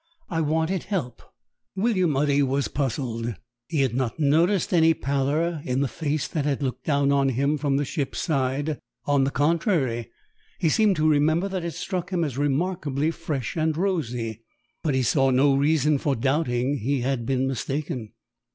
I wanted help." William Udy was puzzled. He had not noticed any pallor in the face that had looked down on him from the ship's side. On the contrary, he seemed to remember that it struck him as remarkably fresh and rosy. But he saw no reason for doubting he had been mistaken.